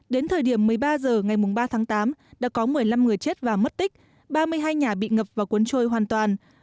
đến thời điểm một mươi ba h ngày ba tháng tám đã có một mươi năm người chết và mất tích ba mươi hai nhà bị ngập và cuốn trôi hoàn toàn